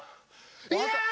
いや！